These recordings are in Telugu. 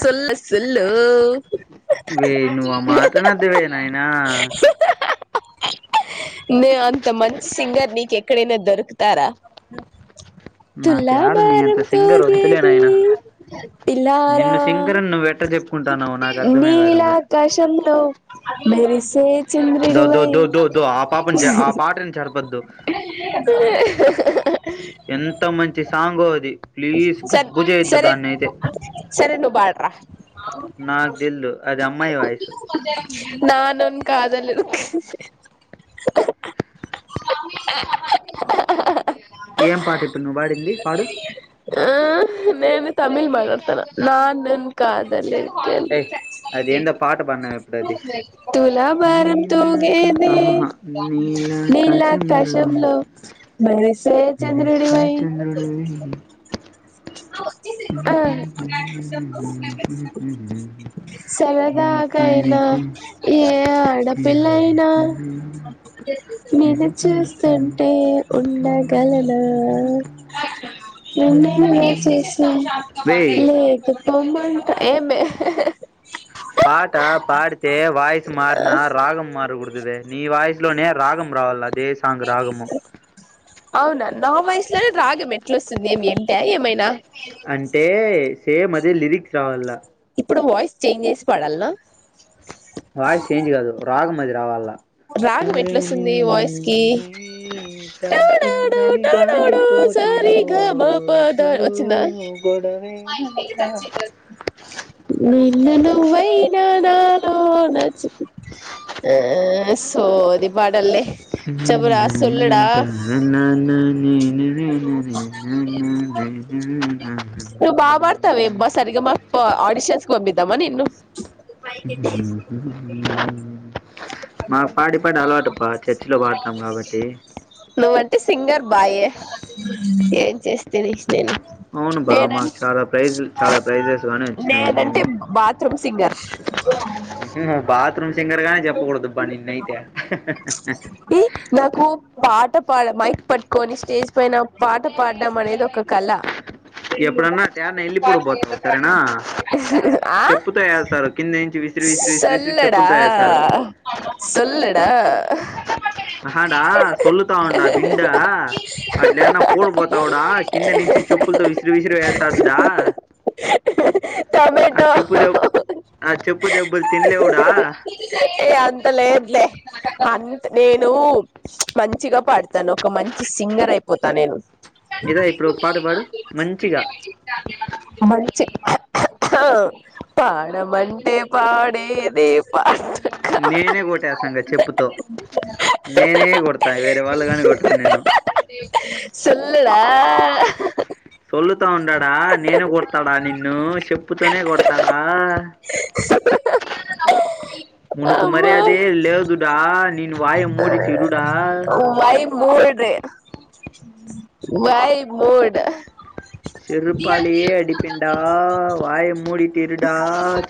సోలో సోలో [inaudible] వే నువ్వు ఆ మాటనొద్దువే నాయనా నే అంత మంచి సింగర్ నీక ఎక్కడైనా దొరుకుతారా తులా నాకేడ నీ అంత భారం సింగర్ వద్దులే తూగేది నాయనా ఇలా నిన్ను ఆ సింగర్ అని నువ్వెట్ట చెప్పుకుంటాన్నావో నాకు అర్థమే కావడంలే నీలాకశంలో మెరిసే దో దో చెంద్రీడివై దో దో దో ఆ పాపని జ ఆ పాటని జడపద్దు ఎంత మంచి సాంగో అది ప్లీజ్ సర గబ్బు చేయొద్దు సరే దాన్నయితే సరే నువ్వు పడ్రా నాకు తెల్దు అది అమ్మాయి వాయిస్ నాలో కాదల్ ఏం పాట ఇప్పుడు నువ్వు పాడింది పాడు ఆ నేను తమిళ్ మాట్డతాన నాన్ కాదలి కన్ ఏయ్ అదేందో పాట పాడినావు ఇప్పుడు అది తులా భారం నీలాక తూగేది ఆహాహా నీలాకాశంలో మె రిసే చంద్రుడు మెరిసిన వై చంద్రుడివి వే సరదాకైనా ఏ ఆడపిల్లయినా నిన్ను చూస్తుంటే ఉండగలన ఉని ఏ ఏ సేసే లేదు పోమంటా ఏమే పాట పాడితే వాయిస్ మారిన రాగం మారుకుడదావే నీ వాయిస్ ట్లోనే రాగం రావాలా అదే సాంగ్ రాగము అవునా నా వయసులోనే రాగ మెట్లుస్తుంది ఏమి ఏంట ఏమైనా అంటే సేమ్ అదే లిరిక్స్ రావాలా ఇప్పుడు వాయిస్ చేంజ్ చేసి పాడాల్నా వాయిస్ చేంజ్ కాదు రాగం అది రావాల్లా రాగం ఒరే నీ ఎట్లొస్తుంది వాయిస్ కి ఈ టాడాడు తకిందని టాడాడు గాలితోటి సారి గ మ ప ద రోజు వచ్చిందా గొడ వేనంట నిన్న నువ్వై నానాలోన చ్ సోది పాటల్లే [unintelligible] నేనేంట నననీ నేేనీననేనానేనానేననే [unintelligible] ప్పా ఆడిషన్స్ పంపిద్దామా నిన్ను మాకు పాడి పాడి అలవాటు ప్పా చర్చి లో పాడతాం కాబట్టి నువ్వంటే సింగర్ బాయే ఏం చేస్తే [unintelligible] నేను అవును బా నేనన్ మాకు చాలా ప్రైజ్ చాలా ప్రైజెస్ గానీ వచ్చినాయి నేనంటే ఏమి బాత్రూమ్ సింగర్ నువ్ బాత్రూమ్ సింగర్ గానే చెప్పకూడదు పనిన్నైతే ఈ నాకు పాట పాడ మైక్ పట్టుకొని స్టేజ్ పైన పాట పాడం అనేది ఒక కళ ఎప్పుడన్నా ఫ్యాన్ ఎళ్ళి పొడిపోతావు సరేనా ఆ చెప్పుతో ఎస్తారు కింది నుంచి విసిరి విసిరి విసిరి విసిరి సొల్లడా చెప్పులతో వేస్తారు సొల్లడా అహాడా అ సొల్లుతా ఉండా విండా అట్లన్నా పూడ్పోతావుడా కింది నించి చెప్ ప్పులతో విసిరి విసిరి వేస్తర్ డా ఆ టమాటో చెప్పు దెబ్ ఆ చెప్పు దెబ్బలు తిన్లేవుడా అంతలేద్ లే అంత్ నేను మంచిగా పాడతాన్ ఒక మంచి సింగర్ అయిపోతా నేను ఇదా ఇప్పుడు ఒక పాట పాడు మంచిగా మంచి పాడమంటే పాడేది పాట నేనే కొట్టేస్తాఇంగ చెప్పుతో నే నేనే గొడతా వేరే వాళ్ళు గానీ కొట్టరు నిన్ను సొల్లుడా సొల్లుతా ఉండడా నేను గొడతాడా నిన్ను చెప్పుతోనే గొడతాడా మునకు మర్యాదే లేదుడా నేను వయ మూడి తిరుడా వై మోడ్ రే వై మోడ్ చెరుపాలయే అడిపిండా వయ మూడిత్ తిరుడా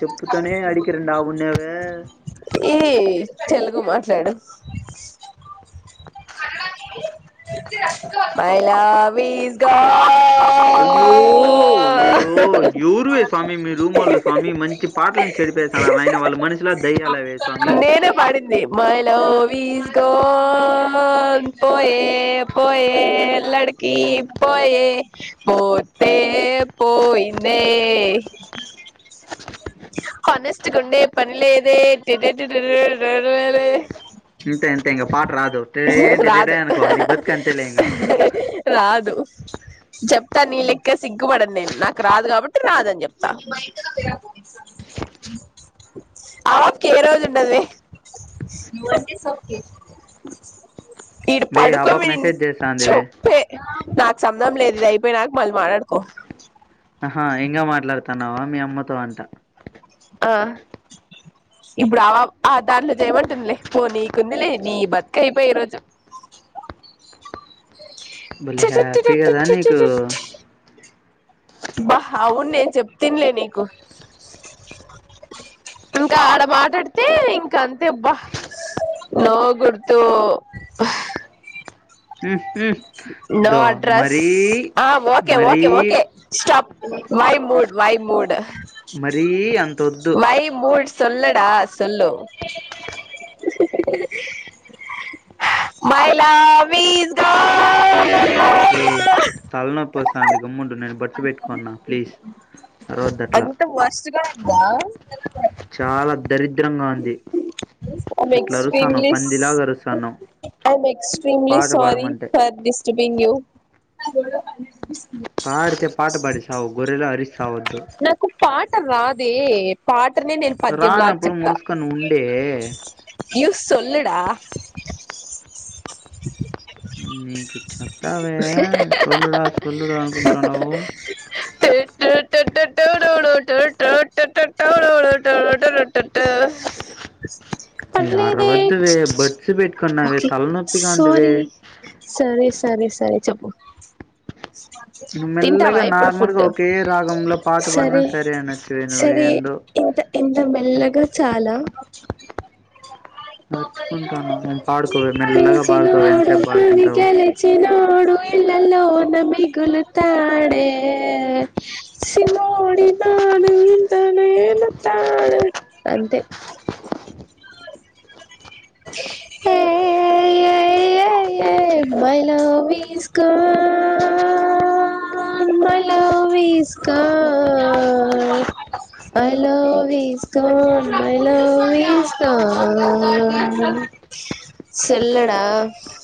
చెప్పుతనే అడికిరాండా ఉన్నావే ఈ తెలుగు మాట్లాడు మై లవ్ ఇస్ గా అయ్యో అయ్యయ్యో ఎవర్వే స్వామి మీరు ముల్లు స్వామి మంచి పాటలను చెడిపేస్తనార్ నాయనా వాళ్ళు మనుషుల దయ్యాల అవే స్వామి చెప్పింది మైల [unintelligible] పోయే పోయే లడికి పోయే పో తే పోయిందే హానెస్ట్గుండె పనిలేదే [unintelligible] డ వే. ఇంత ఇంత ఇగ పాఠ రాదు ఏంటి ఏదీ రాదు అనుకో ని బతుకంతలే ఇంగ. రాదు చెప్తా నీ లెక్క సిగ్గుపడను నేను నాకు రాదు కాబట్టి రాదని చెప్తా. ఆకి ఎన్ని రోజు ఉండదు వే. It's okay. ఈడు వే ఆ పాప పడుకోమిన్ మెసేజ్ చేస్తాంది వే చెప్పే. నాకు సంబధం లేదు ఇది అయిపోయి నాకు మళ్ళీ మాట్లాడుకో. ఆహా ఇంకా మాట్లాడుతున్నావా మీ అమ్మతో అంట. ఆ. ఇప్పుడు ఆ ఆ దార్లు చేయమంటుందిలే నీకుందిలే నీ బతుక అయిపోయి ఈ రోజు. బలే హ్యాపీ కదా నీకు. బా అవును నేను చెప్తిన్లే నీకు. ఇంకా ఆడ మాట్లాడితే అంతే అబ్బా. నో గుర్తు. నో దో అడ్రస్ మరీ ఆ ఓకే మరీ okay okay. Stop why mood why mood. మరీ అంత్. Why moods. సొల్లడా సొల్లు. My love is gone. వే తలనొప్పిస్తోంది. గమ్మునుండు నేను బెడ్స్ పెట్టుకున్నా ప్లీజ్ అరవద్దు అట్లా. వావ్. చాలా దరిద్రం నాది. ఐఎమ్ ఎట్లా అరుస్తన్నావ్ పంది లాగా అరుస్తన్నావ్. I am extremely sorry for disturbing you. పాడితే పాటు పాడిస్తావు గొరెలా అరిస్త. నాకు పాట రాదే పాట. త్రి నేను పద్యం లాగా రానప్పుడు చెప్తా మూసుకొని ఉండే యూస్. సొల్లుడా. నీకు చెప్తావే సోల్లుడా సోల్లుడా అనుకుంటున్నావు. స స టూటుటూ టూటూడు టూటు. వే పర్లేదే అరవద్దువే బడ్స్ పెట్టుకున్నావే ఓకే తలనొప్పిగా ఉందివే సారీ సరే. సరే సరే చెప్పు నువ్వు తింటావా మెల్లగా ఇప్పుడు నార్మల్గా ఫుడ్. ఒకే రాగంలో పాట పాడినా సరే అనొచ్చువే నువ్వు సరే ఏందో ఇంతా ఇంతా మెల్లగా చాలా. నడుచుకుంటాను నేను పాడుకోవే మెల్లగా పాడుకోవే గెలిచినోడు ఎంతసేపు మరి పాడుకుంటావు గెలిచినోడు ఎవర్. ఇల్లలోనా మిగులు తాడే. చిన్నోడు లానే ఎంత మేలుతాడు. అంతే. [inaudible] ఆ ఏ my love is gone my love is gone my love is gone my love is gone సొల్లుడా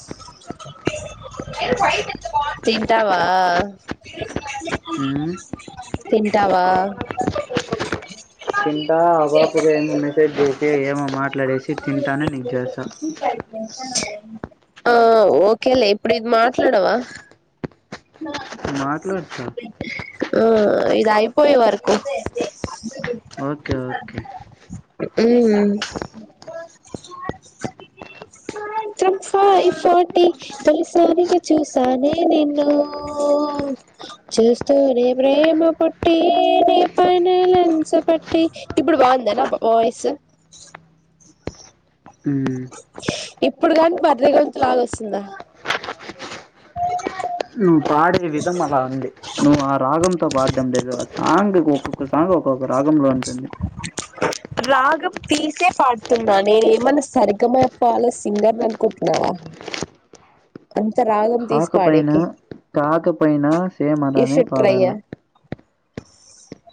[inaudible] తింటావా ఉమ్, తింటావా తింటా ఆ బాపూగా ఏమున మెసేజ్ చేూసి ఏమో మాట్లాడేసి తింటేనే నీక్జేసా ఆ ఓకేలే ఇప్పుడు ఇది మాట్లాడవా మాట్లాడతా ఆ ఏదైపోయేవరకు ఓకే ఓకే హ్మ్ ఇంఫన్ ఫటీ తలిసారిగా చూసానే నిన్ను చూస్తూ ప్రేమ పుట్టి ని పైనే లెన్స్ పట్టి ఇప్పుడు బందనా నా పేస్ [inaudible] ఇప్పుడు కాని భద్రాచలం ప్లాన్ ఎస్తుంద నువ్వు పాడే విధం అలా ఉంది నువ్వు ఆ రాగంతో పాటు లేదు ఆ సాంగ్ ఒక్కొక్క సాంగ్ ఒక్కొక్క రాగంలో ఉంటుంది రాగం తీసే పాడుతున్నా నే ఏమన్నా సరిగమయప్పాల సింగర్ని అనుకుంటున్నావా [inaudible] అ రాగం తీసి కాకపోయినా పాడేకి కాకపోయినా సేమ్ యు అలానే షౌల్ద్ పాడాల ట్రయ్యా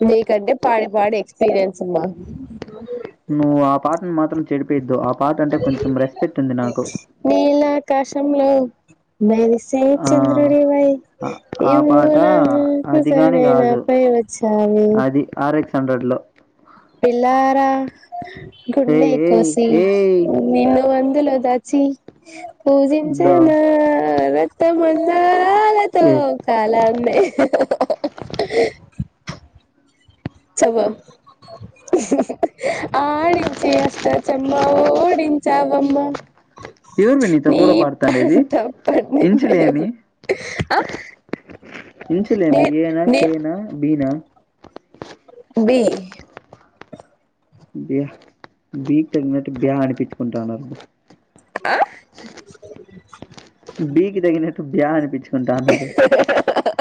నీకంటే పాడి పాడి ఎక్స్పీరియన్స్ అమ్మా నువ్వు ఆ పాటను మాత్రం చెడిపెద్దు ఆ పాట అంటే కొంచెం రెస్పెక్ట్ ఉంది నాకు ఆకాశంలో మెరిసే చంద్రుడివే ఆ పాట ఇవనా అది కానీ నాకుజానా కాదు నాపై వచ్చవే హండ్రెడ్ లో పిల్లార గుండె ఏయ్ ఏయ్ కోసి ఏయ్ నిను అందులో దాచి పూజిచన దో నా రాత్త మందర లతో ఏ కాళనే చేమ థు. ఆడించి అష్ట చెమ్మా ఓడించావమ్మ ఎవరు నీతో ని కూడా పాడుతాండేది పంట పండిదే ఇంచులేమి ఆ ఇంసలే నే మీ ఏనా నే కేనా బీనా బి బి బీక్ తగినట్టు బేయ్ అనిపించుకుంటాన్నారు ఆ బికిి తగినట్టు బ్యా అనిపించుకుంటా అన్నారు హ హ హ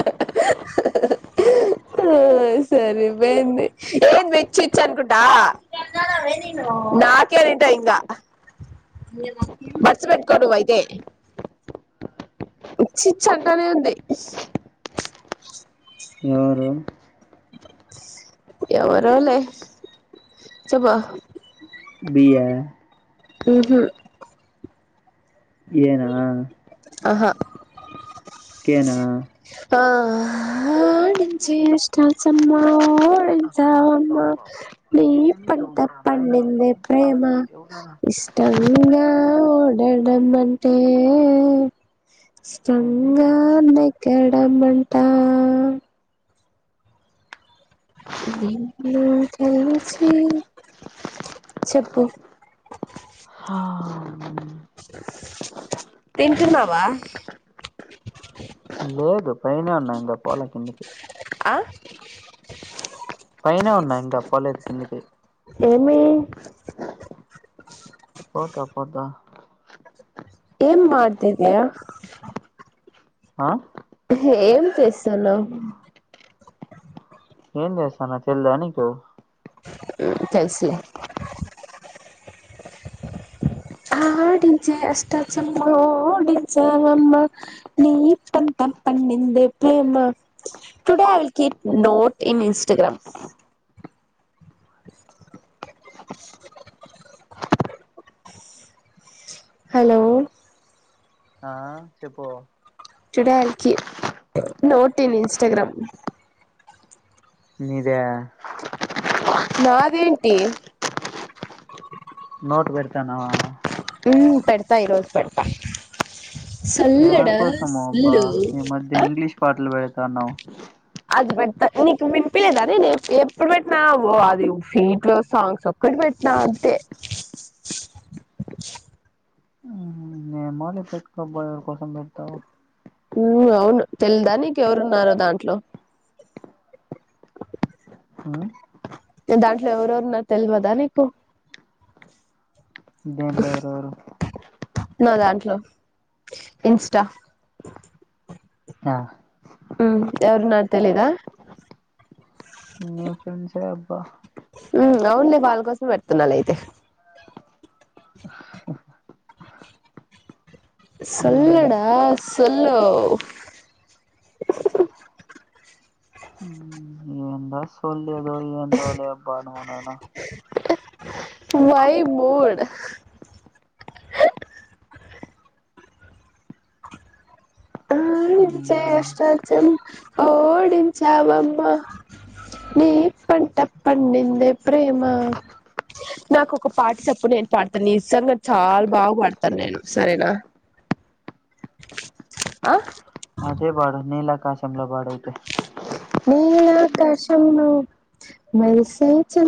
సరిపోయింది ఏం వెచ్చ ఇచ్చ అనుకుంటా నాకే పెంటందా బస్సు పెట్టుకో నువైతే ఇచ్చిచ్ అంటేనే ఉంది ఎవరు ఎవరోలే చెప్ప బి య ఉహు ఏనా ఆహా కేనా ఆడించి అష్టా చెమ్మా ఓ అబ్బా అబ్బా పెంచావమ్మా అబ్బా నీ ఏమి పంట దోమరా నాయనా పండిందే ప్రేమ చంపుతాంది యోగా ఇ ష్టంగా వెడం అంటే ఏంది ఇష్టంగానే కేడం మంటా నిన్ను పిలిచి చెప్పు హా తింటున్నావ లేదు పైనే ఉన్నా ఇంగ పోలే కిందకి [inaudible] పైనే ఉన్నా ఇంగ పోలేదు కిందికి మీ పోతా పోతా ఏంమాటిది ఆ ఏం చేస్తున్నవ్ ఏం చేస్తాన తెల్దా నీకు ఉమ్ తెల్సులే ఆడించే అష్ట చెమ్మా ఓడించవమ్మ నీ పంట పండి దే ప్లే మా today I will keep note in Instagram [inaudible] hello ఆ చెప్పు today I'll keep note in Instagram నీద నాదేంటి నోట్ వేడ్ తనవా ఉ పెడతా ఈరోజు పెడతా ఎవరి సల్లడా కోసమో అబ్బా సల్లు ఈ మధ్య ఇంగ్లీష్ పాటలు పెడ్తన్నావ్ అది పెడుత నీకు వినిపిలేద అది నేను ఎప్పుడు పెట్టినా అది ఫీట్ లో సాంగ్స్ ఒక్కటి పెట్టి పెట్న అంతే [inaudible] మార్నింగ్ పెట్టుకోబాయర్ కోసం పెడతావా ఉమ్ అవును తెలిదా నీకెవరున్నారో దాంట్లో ఉమ్ దాంట్లో ఎవరెవరు ఉన్నారు తెల్వదా నీకు దేంట్లో ఎవరెవరు నా దాంట్లో ఇన్స్టా ఆ ఉ ఎవరు ఉన్నారు తెలిదా [inaudible] ఫెండ్స అబ్బా అవులే వాళ్ళ కోసం పెడుతున్నాను అయితే ఉమ్ సొల్లుడా సోల్లు నా సోల్లు [unintelligible] అంటావ్లే అబ్బా నువ్వు నన్ను వై మూడ్ ఆడించే ఆష్ట చెమ్మా ఓడించావమ్మ నీ పంట పండిందే ప్రేమ నాకు ఒక పాట చెప్పు నేను పాడతాను నిజంగా చాలా బాగా పాడతాను. నేను సరేనా ఆ అదే పాడు నీలకాశంలో పాడు ఆయితే [unintelligible] మెరిసే చంద్రు